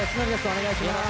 お願いします。